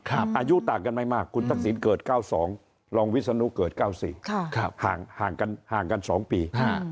อายุต่างกันไม่มากคุณทักษิณเกิด๙๒รองวิศนุเกิด๙๔ห่างกัน๒ปี